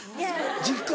実家。